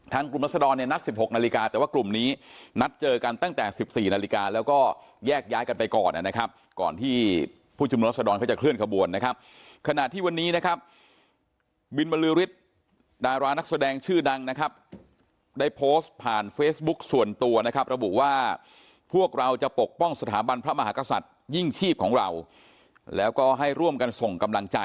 ทั้งกลุ่มรัศดรเนี่ยนัดสิบหกนาฬิกา